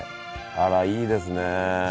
あらいいですね。